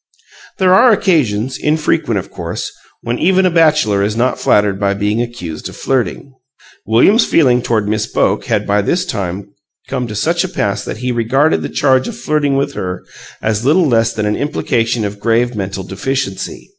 There are occasions, infrequent, of course, when even a bachelor is not flattered by being accused of flirting. William's feelings toward Miss Boke had by this time come to such a pass that he, regarded the charge of flirting with her as little less than an implication of grave mental deficiency.